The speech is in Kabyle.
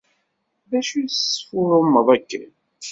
D acu tesfurrumeḍ akken?